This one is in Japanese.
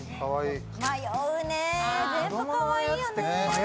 迷うね、全部かわいいよね。